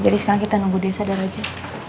jadi sekarang kita nunggu dia sadar aja